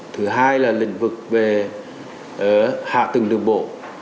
thứ hai là lĩnh vực về hạ tầng đường bộ